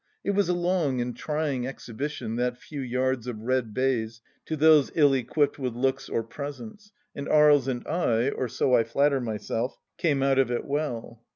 It was a long and trying exhibition, that few yards of red baize, to those Hi equipped with looks or presence, and Aries and I, or so I flatter myself, came out of it well.